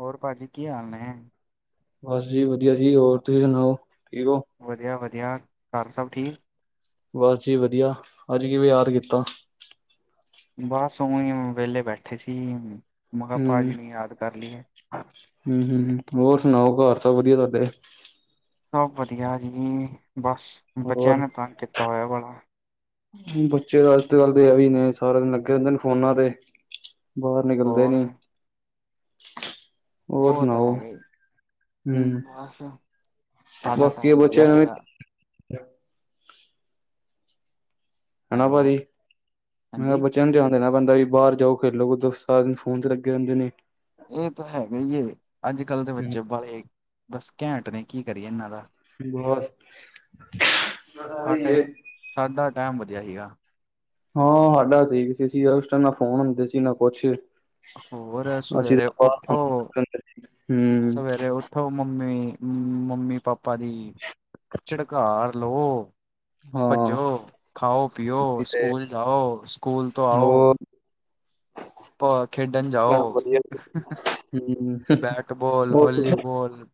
ਹੋਰ ਪਾਜੀ, ਕੀ ਹਾਲ ਨੇ? ਬਸ ਜੀ ਵੱਧੀਆ ਜੀ, ਹੋਰ ਤੁਸੀਂ ਸੁਣਾਓ, ਠੀਕ ਹੋ? ਵੱਧੀਆ-ਵੱਧੀਆ। ਘਰ ਸਭ ਠੀਕ? ਬਸ ਜੀ ਵੱਧੀਆ, ਅੱਜ ਕਿਵੇਂ ਯਾਦ ਕੀਤਾ? ਬਸ ਉਂਵੇ ਵੇਲੇ ਬੈਠੇ ਸੀ, ਮੈਂ ਕਿਹਾ ਪਾਜੀ ਨੂੰ ਯਾਦ ਕਰ ਲੀਏ, ਹੂੰ -ਹੂੰ -ਹੂੰ ਹੋਰ ਸੁਣਾਓ ਘਰ ਸਭ ਵੱਧੀਆ ਤਾਡੇ? ਬਹੁਤ ਵੱਧੀਆ ਜੀ, ਬਸ ਬੱਚਿਆਂ ਹੋਰ ਨੇ ਤੰਗ ਕੀਤਾ ਹੋਇਆ ਬੜਾ। ਬੱਚੇ ਅੱਜ ਤੇ ਗੱਲ ਤੇ ਐ ਈ ਨੇ ਸਾਰਾ ਦਿਨ ਲੱਗੇ ਰੈੰਦੇ ਨੇ ਫੋਨਾਂ ਤੇ, ਬਾਰ ਨਿਕਲਦੇ ਹੋਰ ਨੀ, ਹੋਰ ਓਹ ਤਾਂ ਸੁਣਾਓ ਹੈਗਾ ਈ, ਹੂੰ ਬਸ ਸਾਡਾ ਬਾਕੀ ਟਾਈਮ ਵਧੀੱਆ ਬੱਚਿਆਂ ਨੂੰ ਸੀਗਾ, ਵੀ ਹੈਨਾ ਹੈਲੋ ਭਾਜੀ, ਮੈਂ ਕੈ ਬੱਚ ਹਾਂਜੀ ਬੱਚਿਆਂ ਨੂੰ ਧਿਆਨ ਦੇਨਾ ਪੈੰਦਾ ਜੀ ਬਾਰ ਜਾਓ ਖੇਲੋ ਕੂਦੋ ਸਾਰਾ ਦਿਨ ਫੋਨ ਤੇ ਲੱਗੇ ਰੈੰਦੇ ਨੇ, ਏਹ ਤਾਂ ਹੈਗਾ ਈ ਏ, ਅੱਜ-ਕੱਲ੍ਹ ਦੇ ਬੱਚੇ ਬੜੇ ਬਸ ਘੈਂਟ ਨ, ਕੀ ਕਰੀਏ ਐਨਾਂ ਦਾ? ਠੀਕ ਏ, ਬੱਸ- ਬਸ ਸਾਡਾ ਐਹੀ ਏ, ਸਾਡਾ ਟਾਈਮ ਵਧੀਆ ਸੀਗਾ। ਹਾਂ ਸਾਡਾ ਠੀਕ ਸੀ -ਸੀ ਉਸ ਟਾਈਮ ਨਾ ਫੋਨ ਹੁੰਦੇ ਸੀ, ਨਾ ਕੁਛ ਹੋਰ ਅਸੀਂ ਸਵੇਰੇ ਤਾਂ ਬਾਹਰ ਉਠੋ, ਹੁੰਦੇ ਹੁੰਦੇ ਸੀ। ਹੂੰ ਸਵੇਰੇ ਉਠ ਉਠੋ ਮੰਮੀ, ਮੰਮੀ -ਪਾਪਾ ਦੀ ਝਿੜਕਾਰ ਲਓ, ਹਾਂ ਭੱਜੋ ਖਾਓ -ਪੀਓ ਵੀ ਤੇ ਸਕੂਲ ਜਾਓ ਸਕੂਲ ਤੋਂ ਆਓ, ਹੋਰ ਭਾ ਖੇਡਣ ਮੈਂ ਜਾਓ ਵਧੀਆ ਹੂੰ ਬੈਟਬੋਲ ਹੋਰ ਵੋਲੀਬੋਲ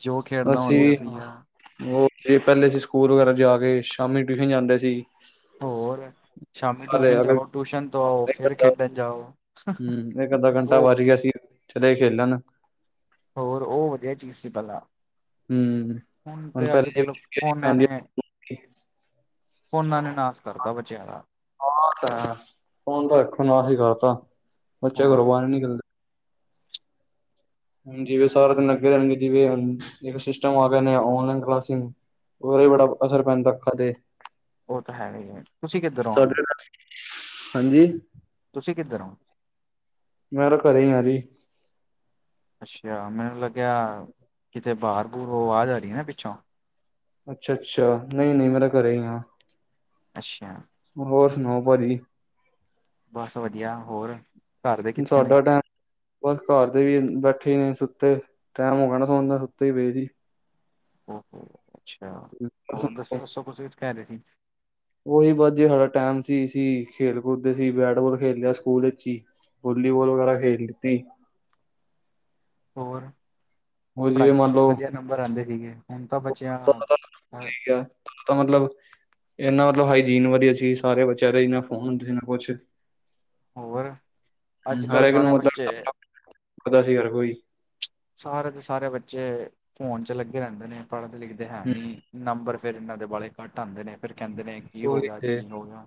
ਜੋ ਕਿ ਅਸੀਂ ਹਾਂ ਓਕੇ ਪਹਿਲੇ ਅਸੀਂ ਸਕੂਲ ਵਗੈਰਾ ਜਾ ਕੇ ਸ਼ਾਮੀ ਟਿਊਸ਼ਨ ਜਾਂਦੇ ਸੀ ਹੋਰ ਸ਼ਾਮੀ ਘਰ ਟਿਊਸ਼ਨ ਅਗਰ ਜਾਓ ਟਿਊਸ਼ਨ ਤੋਂ ਆਓ ਇੱਕ ਫਿਰ ਅੱਧਾ ਹੂੰ ਖੇਡਣ ਜਾਓ ਉਹ ਚੱਲੇ ਖੇਲਣ ਹੋਰ ਉਹ ਵਧੀਆ ਚੀਜ਼ ਸੀ ਪਹਿਲਾ ਹੁਨ ਹੁਣ ਤੇ ਅੱਜ ਪਹਿਲੇ ਕਲ ਫੋਨਾਂ ਪੈਂਦੀ ਹਾਂ ਨੇ ਫੋਨਾਂ ਨੇ ਨਾਸ ਕਰਤਾ ਬੱਚਿਆ ਦਾ ਆ ਤੇ ਹੈ ਫੋਣ ਤਾਂ ਰਖਣ ਆ ਸੀਗਾਤਾ ਬੱਚੇ ਹੋਰ ਘਰੋਂ ਬਾਹਰ ਨੀ ਨਿਕਲਦੇ ਹਾਂਜੀ ਸਾਰਾ ਦਿਨ ਲੱਗੇ ਰਹਿਣ ਗਏ ਟੀਵੀ ਨੇ ਜਵੇ ਸਿਸਟਮ ਆ ਗਿਆ ਔਨਲਾਈਨ ਕਲਾਸੀਗ ਉਹਦਾ ਬੜਾ ਅਸਰ ਪੈਂਦਾ ਅੱਖਾਂ ਤੇ ਉਹ ਤਾਂ ਹੈਗਾ ਹੀ ਹੈ ਤੁਸੀਂ ਕਿੱਧਰ ਹੋ ਹਾਨੂੰ ਸਾਡੇ ਹਾਂਜੀ ਤੁਸੀਂ ਕਿੱਧਰ ਹੋ ਮੈਂ ਤਾਂ ਘਰੇ ਆ ਜੀ ਅੱਛਾ ਮੈਨੂੰ ਲੱਗਿਆ ਕਿਤੇ ਬਾਹਰ ਬੁਹਰ ਆਵਾਜ਼ ਆ ਰਹੀ ਨਾ ਪਿੱਛੋਂ ਅੱਛਾ ਅੱਛਾ ਨਹੀਂ ਨਹੀਂ ਮੈਂ ਤਾ ਘਰੇ ਹਾਂ ਅੱਛਾ ਹੋਰ ਸੁਣਾਓ ਭਾਜੀ ਬਸ ਵਧੀਆ ਹੋਰ ਘਰ ਦੇ ਕਿੱਥੇ ਨੇ ਸਾਡਾ ਟੈਮ ਬਸ ਘਰ ਦੇ ਵੀ ਬੈਠੇ, ਸੁੱਤੇ ਟੈਮ ਹੋ ਗਿਆ ਨਾ ਸੌਣ ਦਾ ਸੁੱਤੇ ਪਏ ਜੀ ਓਕੇ ਅੱਛਾ ਔਰ ਦੱਸੋ ਦੱਸੋ ਸੌ ਕੁਛ ਕਹਿ ਰਹੇ ਸੀ ਉਹੀ ਬਸ ਜੀ ਸਾਡਾ ਟਾਈਮ ਸੀ ਸੀ ਖੇਲ ਕੂਦਦੇ ਸੀ ਬੈਟਬਾਲ ਖੇਲਿਆ ਸਕੂਲ ਵਿਚ ਹੀ ਵੋਲੀਬੋਲ ਵਗੈਰਾ ਖੇਲਤੀ ਹੋਰ ਹੋਰ ਜਿਵੇਂ ਪੜ੍ਹਾਈ 'ਚ ਮੰਨ ਵੀ ਲਓ ਵਧੀਆ ਨੰਬਰ ਆਉਂਦੇ ਸੀਗੇ ਹੁਣ ਤਾਂ ਬੱਚਿਆਂ ਹਰ ਇਕ ਤਾਂ ਮਤਲਬ ਇਹਨਾ ਮਤਲਬ ਹਾਈਜੀਨ ਵਧੀਆ ਸੀ ਸਾਰੇ ਬੱਚਿਆਂ ਦੇ ਨਾ ਫੋਨ ਹੁੰਦੇ ਸੀ ਨਾ ਕੁਛ ਹੋਰ ਅੱਜ ਹਰ ਕੱਲ੍ਹ ਇੱਕ ਸਾਰੇ ਨੂੰ ਉਦਣ ਬੱਚੇ ਟਪ -ਟਪ ਪਤਾ ਸੀ ਹਰ ਕੋਈ ਸਾਰੇ ਦੇ ਸਾਰੇ ਬੱਚੇ ਫੋਨ 'ਚ ਲੱਗੇ ਰਹਿੰਦੇ ਨੇ ਪੜ੍ਹਦੇ ਲਿਖਦੇ ਹੈ ਹੂੰ ਨਹੀਂ ਨੰਬਰ ਫਿਰ ਇਹਨਾਂ ਦੇ ਵਾਲੇ ਘੱਟ ਆਉਂਦੇ ਨੇ ਫਿਰ ਕਹਿੰਦੇ ਨੇ ਕੀ ਹੋ ਉਹੀ ਗਿਆ ਥੇ ਕੀ ਹੋ ਗਿਆ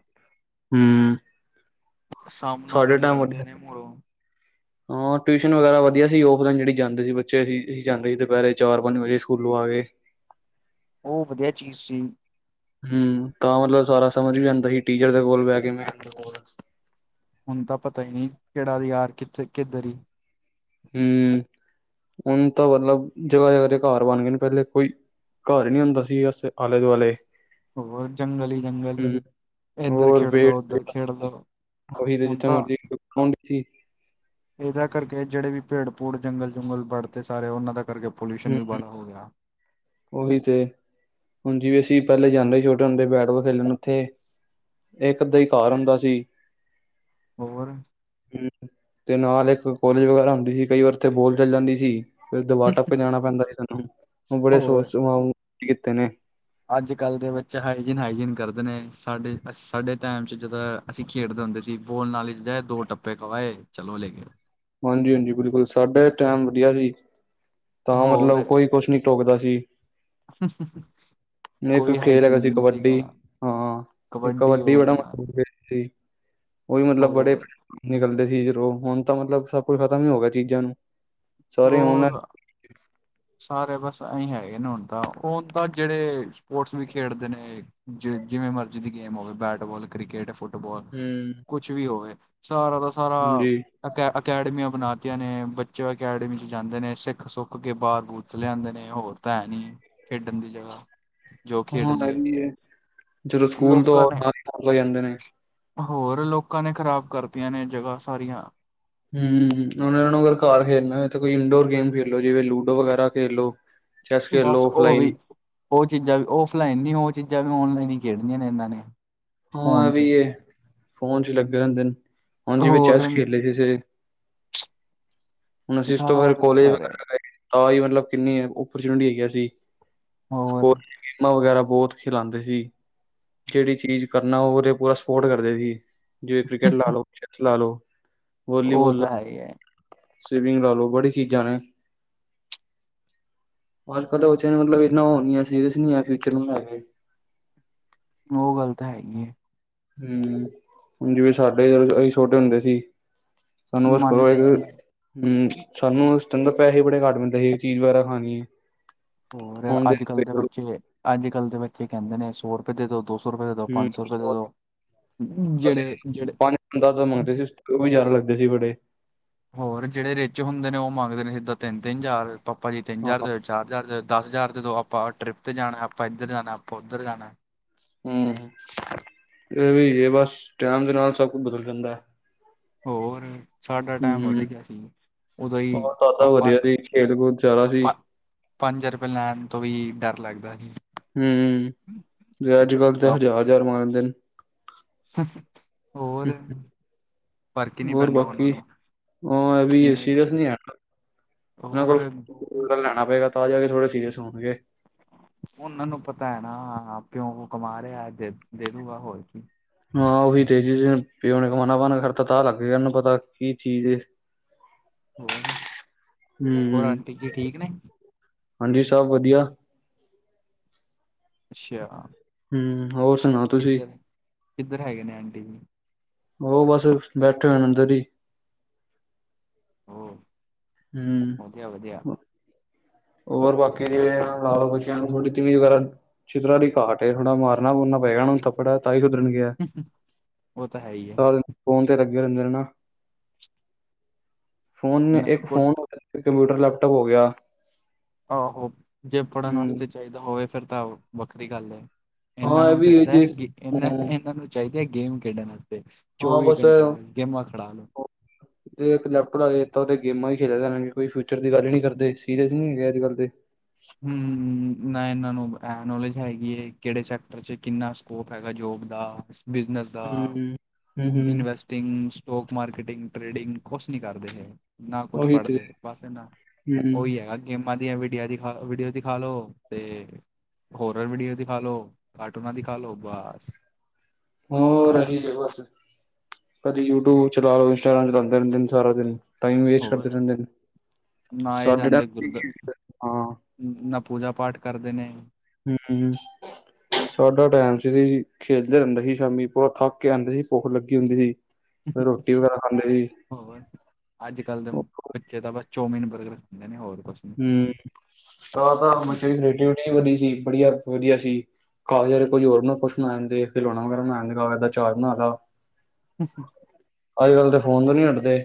ਹਮ- ਸਾਹਮਣੋਂ ਸਾਢੇ ਫਿਰ ਟਾਇਮ ਲੜਦੇ ਵਧੀਆ ਨੇ [unintelligible] ਹਾਂ ਟਿਊਸ਼ਨ ਵਗੈਰਾ ਵਧੀਆ ਸੀ ਉਸ ਦਿਨ ਜਿਹੜੀ ਜਾਂਦੇ ਸੀ ਬੱਚੇ ਅਸੀਂ ਅਸੀਂ ਜਾਂਦੇ ਸੀ ਦੁਪਹਿਰੇ ਚਾਰ ਪੰਜ ਵਜੇ ਸਕੂਲੋਂ ਆ ਕੇ ਉਹ ਵਧੀਆ ਚੀਜ਼ ਸੀ ਹਮ ਤਾਂ ਮਤਲਬ ਸਾਰਾ ਸਮਝ ਵੀ ਜਾਂਦਾ ਸੀ ਟੀਚਰ ਦੇ ਕੋਲ ਬਹਿ ਕੇ ਮੈਂਮ ਦੇ ਕੋਲ ਹੁਣ ਤਾਂ ਪਤਾ ਹੀ ਨਹੀਂ ਕਿਹੜਾ ਯਾਰ ਕਿੱਥੇ ਕਿੱਧਰ ਹੀ ਹਮ ਹੁਣ ਤਾਂ ਮਤਲਬ ਜਗ੍ਹਾ ਜਗ੍ਹਾ ਦੇ ਘਰ ਬਣ ਗਏ ਨੇ ਪਹਿਲੇ ਕੋਈ ਘਰ ਨੀ ਹੁੰਦਾ ਸੀਗਾ ਬਸ ਆਲੇ- ਦੁਆਲੇ ਹੋਰ ਜੰਗਲ ਹੀ ਜੰਗਲ ਹੂੰ ਇੱਧਰ ਹੋਰ ਪੇੜ ਖੇਡਲੋ ਉੱਧਰ ਖੇਡਲੋ ਹੁਣ ਤਾਂ ਕੋਣ ਸੀ ਇਹਦਾ ਕਰਕੇ ਜਿਹੜੇ ਵੀ ਭੇੜ ਭੂੜ ਜੰਗਲ ਜੁੰਗਲ ਵਢਤੇ ਸਾਰੇ ਉਹਨਾਂ ਦਾ ਕਰਕੇ ਪੋਲਿਊਸ਼ਨ ਹੂੰ ਵੀ ਬੜਾ ਹੋ ਗਿਆ ਉਹੀ ਤੇ ਹੁਣ ਜਿਵੇ ਅਸੀਂ ਪਹਿਲੇ ਜਾਂਦੇ ਛੋਟੇ ਹੁੰਦੇ ਬੈਟਬਾਲ ਖੇਲਣ ਉੱਥੇ ਇੱਕ ਅੱਧਾ ਹੀ ਕਾਰ ਹੁੰਦਾ ਸੀ ਹੋਰ ਹੂੰ ਤੇ ਨਾਲ ਏਕ ਕੋਲੇਜ ਵਗੈਰਾ ਹੁੰਦੀ ਸੀ, ਕਈ ਵਾਰ ਓਥੇ ਬੋਲ ਚੱਲ ਜਾਂਦੀ ਸੀ। ਫੇਰ, ਦਵਾਰ ਟੱੱਪ ਕੇ ਜਾਣਾ ਪੈਂਦਾ ਸੀ ਸਾਨੂੰ, ਓ ਬੜੇ [unintelligible] ਕੀਤੇ ਨੇ। ਅੱਜ-ਕੱਲ੍ਹ ਦੇ ਬੱਚੇ ਹਾਈਜੀਨ-ਹਾਈਜੀਨ ਕਰਦੇ ਨੇ, ਸਾਡੇ, ਸਾਡੇ ਟੈਮ 'ਚ ਜਿੱਦਾਂ। ਅਸੀਂ ਖੇਡਦੇ ਹੁੰਦੇ ਸੀ, ਬੋਲ ਨਾਲੀ ਚ ਜਾਏ, ਦੋ ਟੱਪੇ ਖਵਾਏ ਚਲੋ ਲੈ ਕੇ। ਹਾਂਜੀ-ਹਾਂਜੀ, ਬਿਲਕੁਲ ਸਾਡੇ ਟੈਮ ਵਧੀਆ ਸੀ, ਤਾਂ ਹੋਰ ਮਤਲਬ ਕੋਈ ਕੁਛ ਨੀ ਟੋਕਦਾ ਸੀ, ਨੀ ਏਕ ਕੋਈ ਖੇਲ ਹੈਗਾ ਹਾਈਜੀਨ ਸੀ ਨਹੀਂ ਸੀਗਾ ਕਬੱਡੀ ਹਾਂ। ਤੇ, ਕਬੱਡੀ ਹੋ ਬੜਾ ਗਿਆ [unintelligible] ਸੀ। ਔਈ, ਮਤਲਬ ਬੜੇ ਹੋਰ ਨਿਕਲਦੇ ਸੀ ਜਦੋਂ ਹੁਣ ਤਾਂ, ਮਤਲਬ ਸਭ ਕੁੱਝ ਖਤਮ ਹੀ ਹੋ ਗਿਆ ਚੀਜ਼ਾਂ ਨੂੰ। ਸਾਰੇ ਹੋਰ ਔਨਲਾਈਨ ਸਾਰੇ ਬਸ ਐਹੀਂ ਹੈਗੇ ਨੇ ਹੁਨ ਤਾਂ, ਹੁਨ ਤਾਂ ਜੇੜੇ ਸਪੋਰਟਸ ਵੀ ਖੇਡਦੇ ਨੇ ਜੇ ਜਿਵੇਂ ਮਰਜ਼ੀ ਦੀ ਗੇਮ ਹੋਵੇ, ਬੈਟਬਾਲ, ਕ੍ਰਿਕਟ, ਫੁੱਟ ਫੁੱਟਬਾਲ ਹੂੰ ਕੁਛ ਵੀ ਹੋਵੇ, ਸਾਰਾ ਦਾ ਸਾਰਾ ਹਾਂਜੀ ਅਕ ਅਕੈਡਮੀਆਂ ਬਨਾਤੀਆਂ ਨੇ, ਬੱਚੇ ਅਕੈਡਮੀ 'ਚ ਜਾਂਦੇ ਨੇ, ਸਿੱਖ-ਸੁੱਖ ਕੇ ਬਾਰ ਬੁਰ ਚੱਲੇ ਜਾਂਦੇ ਨੇ, ਹੋਰ ਤਾਂ ਹੈ ਨੀ ਖੇਡਣ ਦੀ ਜਗ੍ਹਾ। ਜੋ ਖੇਡ ਹਾਂ, ਐ ਲਈਏ ਵੀ ਏ, ਚੱਲੋ ਸਕੂਲ ਤੋਂ ਲੋਕਾਂ ਨੇ [unintelligible] ਜਾਂਦੇ ਨੇ। ਹੋਰ, ਲੋਕਾਂ ਨੇ ਖ਼ਰਾਬ ਕਰਤੀਆਂ ਨੇ, ਜਗ੍ਹਾ ਸਾਰੀਆਂ। ਹੂੰ, ਓਨਾਂ ਨੂੰ ਅਗਰ ਘਰ ਖੇਲਨਾ ਹੋਏ ਤੇ ਕੋਈ ਇਨਡੋਰ ਗੇਮ ਖੇਲ ਲੋ, ਜਿਵੇਂ ਲੂਡੋ ਵਗੈਰਾ ਖੇਲ ਲੋ। ਬਸ, ਓ ਵੀ ਓ ਚੀਜ਼ਾਂ ਵੀ ਔਫਲਾਈਨ ਨੀ, ਓ ਚੀਜ਼ਾਂ ਵੀ ਔਨਲਾਈਨ ਈ ਖੇਡਣੀਆਂ ਨੇ ਏਨਾਂ ਨੇ। ਹਾਂ, ਐ ਫੋਨ ਵੀ ਚ ਏ, ਫੋਨ ਚ ਲੱਗੇ ਰੈਂਦੇਨ। ਹੁਨ, ਜਿਵੇਂ ਹੋਰ ਚੈਸ ਖੇਲੇ [unintelligible] ਹੁਨ, ਅਸੀਂ ਇਸ ਤੋਂ ਬਾਦ ਸਾਰੇ ਦੇ ਕੋਲੇਜ ਸਾਰੇ ਵਗੈਰਾ ਗਏ। ਤਾਂ ਈ ਮਤਲਬ, ਕਿੰਨੀ ਅਪੋਰਚੁਨਿਟੀਆਂ ਹੈਗੀਆ ਸੀ, ਹੋਰ ਸਕੋ ਗੇਮਾਂ ਵਗੈਰਾ ਬੋਤ ਖਿਲਾਂਦੇ ਸੀ, ਜੇੜੀ ਚੀਜ਼ ਕਰਨਾ ਓਦੇ ਪੂਰਾ ਸਪੋਰਟ ਕਰਦੇ ਸੀ, ਜਿਵੇਂ ਕ੍ਰਿਕਟ ਲਾ ਲੋ, ਚੈਸ ਲਾ ਲੋ। ਓ ਤਾਂ ਹੈ ਈ ਐ। ਸਵੀਮਿੰਗ ਲਾ ਲੋ, ਬੜੀ ਚੀਜ਼ਾਂ ਨੇ। ਅੱਜ-ਕੱਲ੍ਹ ਤਾਂ ਬੱਚਿਆਂ, ਮਤਲਬ ਏਨਾਂ ਓ ਨੀ ਐ ਸੀਰੀਅਸ ਨੀ ਐ, ਫਿਊਚਰ ਨੂੰ ਲੈ ਕੇ। ਓ ਗੱਲ ਤਾਂ ਹੈਈ ਏ। ਹੂੰ, ਹੁਨ ਜਿਵੇਂ ਸਾਡੇ, ਅਸੀ ਛੋਟੇ ਹੁੰਦੇ ਸੀ। ਸਾਨੂੰ ਓਸ [unintelligible] ਮੰਨਦੇ ਹੀ ਨਹੀਂ ਹੂੰ, ਸਾਨੂੰ ਓਸ ਟੈਮ ਤਾਂ ਪੈਹੇ ਹੀ ਬੜੇ ਘੱਟ ਮਿਲਦੇ ਸੀ, ਚੀਜ਼ ਵਗੈਰਾ ਖਾਨੀ ਏ। ਹੋਰ ਅੱਜ-ਕੱਲ੍ਹ ਦੇ ਬੱਚੇ, ਅੱਜ-ਕੱਲ੍ਹ ਦੇ ਬੱਚੇ ਕੈਂਦੇ ਨੇ, ਸੌ ਰਪੈ ਦੇ ਦੋ, ਦੋ ਸੌ ਸੋ ਰਪੈ ਦੇਦੋ, ਹੂੰ, ਪੰਜ ਸੌ ਰਪੈ, ਜੇੜੇ-ਜੇੜੇ ਓ ਵੀ ਜਾਦਾ ਲੱਗਦੇ ਸੀ ਬੜੇ। ਹੋਰ ਜੇੜੇ ਰੇਚ ਹੁੰਦੇ ਨੇ, ਓ ਮੰਗਦੇ ਨੇ ਸਿੱਧਾ ਤਿੰਨ-ਤਿੰਨ ਜ਼ਾਰ ਪਾਪਾ ਜੀ ਤਿੰਨ ਹਾਂ ਜ਼ਾਰ ਦੇ ਚਾਰ-ਹਜ਼ਾਰ ਦੇ, ਦਾਸ-ਹਜ਼ਾਰ ਦੇਦੋ। ਆਪਾਂ ਟ੍ਰਿਪ, ਤੇ ਜਾਣਾ, ਆਪਾਂ ਏਧਰ ਜਾਣਾ, ਆਪਾਂ ਓਧਰ ਜਾਣਾ ਐ। ਹੂੰ, ਐ ਵੀ ਏ ਬਸ ਟੈਮ ਦੇ ਨਾਲ ਸਭ ਕੁਝ ਬਦਲ ਜਾਂਦਾ ਐ। ਹੋਰ। ਸਾਡਾ ਟੈਮ ਹੂੰ, ਵੱਧਿਆ ਸੀ, ਉਦੋਂ ਈ ਹੋਰ ਦਾਦਾ ਆਪਾਂ ਵਧੀਆ ਸੀ ਖੇਲ ਕੂਦ ਜ਼ਿਆਦਾ ਸੀ ਅ ਪੰਜ ਰਪੈ ਲੈਨ ਤੋਂ ਵੀ ਡਰ ਲੱਗਦਾ ਹੀ। ਹੂੰ, ਜੇੜੇ ਅੱਜ-ਕੱਲ੍ਹ ਤੇ ਹਜ਼ਾਰ-ਹਜ਼ਾਰ ਮਗਂਦੇ ਨ। ਹੋਰ ਫ਼ਰਕ ਈ ਨੀ ਹੋਰ ਪੈਂਦਾ ਓਨਾਂ ਬਾਕੀ ਨੂੰ, ਉਹ ਇਹ ਵੀ ਕਿਵੇਂ ਸੀਰੀਅਸ ਨਹੀਂ ਹੈ ਉਹਨਾਂ ਔਰ ਕੋਲ ਲੈਣਾ ਪੇਗਾ, ਤਾਂ ਜਾ ਕੇ ਥੋੜੇ ਸੀਰੀਅਸ ਹੋਣਗੇ। ਓਨਾਂ ਨੂੰ ਪਤਾ ਐ ਨਾ, ਪਿਓ ਕਮਾ ਰੇਆ, ਦੇ ਦੂਗਾ ਹੋਰ ਕੀ। ਹਾਂ, ਉਹੀ ਤੇ ਪਿਓ ਨੇ, ਕਮਾਨਾ ਬੰਦ ਕਰਤਾ, ਤਾਂ ਲੱਗ ਜੇ ਐਨੂੰ ਪਤਾ ਕੀ ਚੀਜ਼ ਏ। ਹੋਰ-ਹੋਰ, ਹੂੰ ਆਂਟੀ ਜੀ ਠੀਕ ਨੇ। ਹਾਂਜੀ, ਸਭ ਵਧੀਆ। ਅੱਛਾ,, ਹੱਮ ਹੋਰ ਸੁਣਾਓ ਤੁਸੀਂ? ਕਿੱਦਰ ਹੈਗੇ ਨੇ ਆਂਟੀ ਜੀ? ਉਹ ਬਸ ਬੈਠੇ ਹੋਏ ਅੰਦਰ ਹੀ, [unintelligible] ਹੱਮ,, ਵਧੀਆ [inaudible] ਹੋਰ ਬਾਕੀ ਜਿਵੇ ਲਓ ਬੱਚਿਆਂ ਨੂੰ ਤੁਹਾਡੀ ਟੀ ਵੀ ਵਗੈਰਾ,, ਛਿੱਤਰਾਂ ਦੀ ਘਾਟ ਹੈ ਥੋੜਾ ਮਾਰਨਾ ਮੂਰਨਾ ਪਏਗਾ ਨੂੰ,, ਉਹ ਤਾਂ ਹੈ ਹੀ ਹੈ [unintelligible] ਫੋਨ ਤੇ ਲੱਗੇ ਰੈਂਦੇ ਹਨਾ,,,,,,,,, ਫੋਨ ਨੇ ਇਹਨਾਂ ਇੱਕ ਨੂੰ ਕੁ ਫੋਨ ਕੰਪਿਊਟਰ ਲੈਪਟੋਪ ਹੋ ਗਿਆ। ਆਹੋ,,,,,, ਜੇ ਪੜ੍ਹਨ ਹੂੰ ਵਾਸਤੇ ਚਾਈਦਾ ਹੋਵੇ ਫਿਰ ਤਾਂ ਵੱਖਰੀ ਗੱਲ ਹੈ। ਇਹਨਾਂ ਹਾਂ ਇਹ ਨੂੰ ਵੀ ਚਾਹੀਦਾ ਜੇ ਹੈ ਕੀ ਹੂੰ ਇਹਨਾਂ ਇਨਾਂ ਨੂੰ, ਚਾਈਦੀ ਹੈ ਗੇਮ ਖੇਡਣ ਵਾਸਤੇ ਚੌਵੀ ਘੰਟੇ ਬਸ ਗੇਮਾਂ ਖੜਾ ਲੋੋ। ਜ ਇੱਕ ਲੈਪਟੋਪ ਗੇਮਾਂ ਹੀ ਖੇਲੇ ਕੋਈ ਫਿਊਚਰ ਦੇ ਗੱਲ ਨੀ ਕਰਦੇ ਸੀਰੀਅਸ ਨ ਨਹੀਂ ਹੈਗੇ ਅੱਜ ਕੱਲ ਦੇ ਹੱਮ ਨਾ ਇਹਨਾਂ ਨੂੰ ਇਹ ਨੌਲੇਜ ਹੈਗੀ ਹੈ ਕਿਹੜੇ ਸੈਕਟਰ ਚ ਕਿੰਨਾ ਸਕੋਪ ਹੈਗਾ ਜੋਬ ਦਾ ਬਿਜ਼ਨਿਸ ਦਾ,,,,,, ਹੂੰ ਹੂੰ ਹੂੰ ਇਨਵੈਸਟ ਸਟੋਕ ਮਾਰਕੀਟਿੰਗ ਟ੍ਰੇਡਿੰਗ ਕੁਛ ਨੀ ਕਰਦੇ ਹੈ ਨਾ ਕੁਛ ਉਹੀ ਤੇ ਪੜ੍ਹਦੇ ਬਸ ਇਹਨਾਂ ਹੂੰ ਉਹੀ ਹੈਗਾ ਗੇਮਾਂ ਦੀਆਂ ਵੀਡੀਆ ਦੀ ਹਾਂ ਵੀਡੀਓ ਦਿਖਾਾਲੋ ਤੇ ਹੋਰਰ ਵੀਡੀਓ ਦਿਖਾ ਲੋ ਕਾਰਟੂਨਾ ਦਿਖਾ ਲੋ ਬਸ ਹੋਰ ਇਹੀ ਹੈ ਬਸ ਕਦੇ ਯੂਟਿਊਬ ਚਲਾ ਲਓ ਇੰਸਟਾਗ੍ਰਾਮ ਚਲਾਂਦੇ ਰੈਂਦੇ ਨੇਂ ਸਾਰਾ ਦਿਨ, ਟਾਈਮ ਵੇਸਟ ਕਰਦੇ ਹੋਰ ਰੈਂਦੇ ਨਾ ਇਹ ਸਾਡੇ ਜਾਂਦੇ ਟੈਮ ਹੀ ਗੁਰਦ ਹਾਂ ਨਾ ਪੂਜਾ ਪਾਠ ਕਰਦੇ ਨੇ ਹਮੱਮ ਸਾਡਾ ਟੈਮ ਸੀ ਖੇਲਦੇ ਰੈਂਦੇ ਹੀ ਸ਼ਾਮੀ ਪੂਰਾ ਥੱਕ ਕੇ ਆਂਦੇ ਸੀ ਭੁੱਖ ਲੱਗੀ ਹੁੰਦੀ ਸੀ ਫੇਰ ਰੋਟੀ ਵਗੈਰਾ ਖਾਂਦੇ ਹੀ ਹੋਰ ਅੱਜ ਕੱਲ੍ਹ ਦੇ ਬੱਚੇ ਤਾਂ ਬਸ ਚੌਮੀਨ ਬਰਗਰ ਖਾਂਦੇ ਨੇ ਹੋਰ ਕੁਛ ਨੀ ਹਮੱਮ,, [unintelligible] [unintelligible] ਅੱਛਾ ਅੱਜ ਕਲ ਤੇ ਫੋਨ ਤੋਂ ਨਹੀਂ ਹਟਦੇ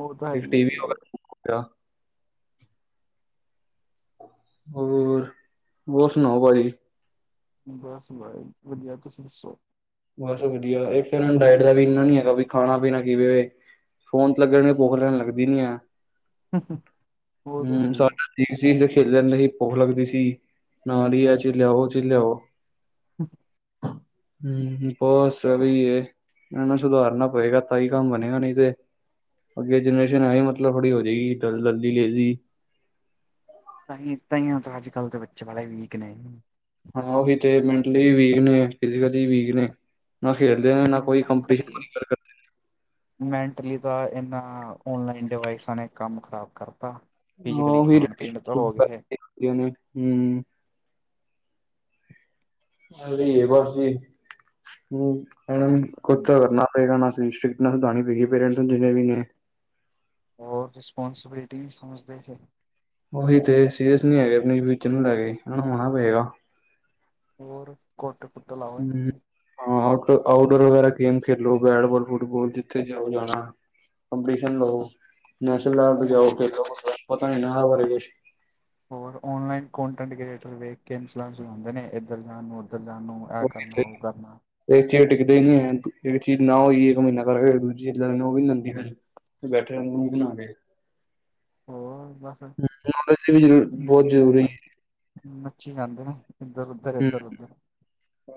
ਓ ਤਾਂ ਹਾਂ ਇੱਕ ਹੀ ਟੀਵੀ ਇਹ [inaudible] ਹੋਰ ਹੋਰ ਸੁਣਾਓ ਪਾਜੀ? ਬਸ ਭਾਈ ਵਧੀਆ ਤੁਸੀਂ ਦੱਸੋ? ਬਸ ਵਧੀਆ ਇਥੇ ਨ ਡਾਇਟ ਦਾ ਵੀ ਇੰਨਾ ਨੀ ਹੈਗਾ ਵੀ ਖਾਣਾ ਪੀਣਾ ਕਿਵੇਂ ਹੈ ਫੋਨ ਤੇ ਲੱਗਣ ਨੂੰ ਭੁੱਖ ਏਨਾ ਲੱਗਦੀ ਨਈ ਹੈ ਹੂ ਹੂ ਹੋਰ ਹੂੰ ਸੁਣਾਈ ਏ? [unintelligible] ਹੂ [inaudible] ਬਹੁਤ ਸਰੀ ਹੈ ਇਹਨਾਂ ਨੂੰ ਸੁਧਾਰਨਾ ਪਏਗਾ ਤਾਂ ਹੀ ਕੰਮ ਬਣੇਗਾ ਨਹੀਂ ਤੇ,, ਅਗੇ ਜਨਰੇਸ਼ਨ ਐ ਹੀ ਮਤਲਬ ਬੜੀ ਹੋ ਜਾਏਗੀ ਜਲਦੀ ਲੇਜ਼ੀ, ਤਾਂਹੀ ਤਾਹੀ ਹੀ ਅੱਜ ਕੱਲ ਦੇ ਬੱਚੇ ਵੀਕ ਨੇ, ਹਾਂ ਉਹੀ ਤੇ ਮੈਂਟਲੀ ਵੀਕ ਨੇ ਫਸਿਕੈਲੀ ਵੀਕ ਨੇ ਨਾ ਖੇਡਦੇ ਨੇ ਨਾ ਕੋਈ ਕੰਪਟਿਸ਼ਨ ਮੈਂਟਲੀ ਮੈਂਟਲੀ ਤਾਂ ਇਹਨਾਂ ਔਨਲਾਈਨ ਡਿਵਾਈਸਾਂ ਨੇ ਕੰਮ ਖ਼ਰਾਬ ਕਰਤਾ,, ਫਿਜ਼ਕਲੀ ਖਾਣ ਪੀਣ ਤਾਂ ਹੋ ਗਏ, ਹਮ [unintelligible] ਅ ਇਹ ਬਸੀ ਕ ਕੁਤਾ ਕਰ ਨਾ [unintelligible] ਪਹਿਲਾਂ ਨਾਲੋਂ ਸਟਿੱਕਨਸ ਵਧਾਣੀ ਪਏਗੀ ਪੇਰੈਂਟਸ ਜਿੰਨੇ ਵੀ ਨੇ ਹੋਰ ਰਿਸਪਾਨਸ ਬਿਲਿਟੀ ਨਹੀਂ ਸਮਝਦੇ ਫਿਰ ਉਹੀ ਤੇ ਸੀਰੀਅਸ ਨੀ ਹੈਗੇ ਆਪਣੀ ਫਿਊਚਰ ਨੂੰ ਲੈ ਕੇ, ਹੁਣ ਹੋਣਾ ਪਏਗਾ ਹੋਰ ਕੁੱਟ ਕੁੱਟ ਲਓ ਇਹਨਾਂ ਹੂੰ ਨੂੰ ਹਾਂ ਆਊਟ ਆਊਟਡੋਰ ਵਗੈਰਾ ਗੇਮ ਖੇਡ ਲੋ ਬੈਟਬਾਲ ਫੁਟਬਾਲ ਜਿੱਥੇ ਜਾਓ ਜਾਣਾ ਕਪਟੀਸ਼ਨ ਲੳ ਨੇਸ਼ਨਲ ਲੇਵਲ ਤੇ ਜਾਓ ਔਨ ਖੇਡਣ ਖੁਡਣ, ਪਤਾ ਨਹੀਂ ਇਨਾਂ ਬਾਰੇ ਕੁੱਛ ਹੋਰ ਔਨਲਾਈਨ ਕੋਂਟੈਂਟ ਕ੍ਰੀਏਟਰ ਵੇਖ ਕੇ ਇਨ ਸੂਰੈਂਸ ਬਣਾਉਂਦੇ ਨੇ ਇੱਧਰ ਜਾਣ ਨੂੰ ਇੱਧਰ ਜਾਣ ਨੂੰ ਇਹ ਕਰਨਾ ਕੁਛ ਉਹ ਕਰਨਾ ਇੱਕ ਚੀਜ਼ ਟਿੱਕਦੇ ਹੀ ਨਹੀਂ ਹੈ, ਇੱਕ ਚੀਜ਼ ਨਾ ਹੋਈ ਇੱਕ ਮਹੀਨਾ ਕਰਗੇ ਦੂਜੀ ਲੇਣਾ ਉਹ ਵੀ ਨਹੀਂ ਲੇਂਦੀ ਫਿਰ ਤੇ ਬੈਠੇ ਐ, ਮੂੰਹ ਹੂੰ ਫੂਲਾਕੇ ਹੋਰ ਬਸ ਨੌਲੇਜ ਵੀ ਬਹੁਤ ਜ਼ਰੂਰੀ ਹੈ ਨੱਚੀ ਜਾਂਦੇ ਨੇ ਇੱਧਰ ਉੱਧਰ, ਇੱਧਰ ਉੱਧਰ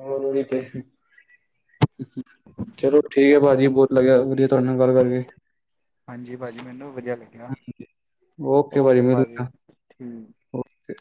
ਹਾਂ ਨੜ ਤੇ [unintelligible] ਚਲੋ ਠੀਕ ਹੈ ਭਾਜੀ ਬਹੁਤ ਲੱਗਿਆ ਵਧੀਆ ਤੁਹਾਡੇ ਨਾਲ ਗੱਲ ਕਰਕੇ ਹਾਂਜੀ ਭਾਜੀ ਮੈਨੂੰ ਵੀ ਵਧੀਆ ਲੱਗਿਆ ਓਕੇ ਭਾਜੀ ਠੀਕ ਓਕੇ